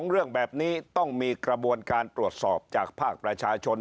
เรื่องแบบนี้ต้องมีกระบวนการตรวจสอบจากภาคประชาชน